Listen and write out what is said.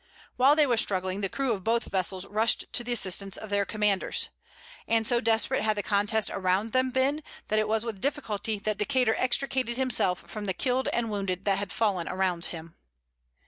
While they were struggling, the crew of both vessels rushed to the assistance of their commanders. And so desperate had the contest around them been, that it was with difficulty that Decater extricated himself from the killed and wounded that had fallen around him.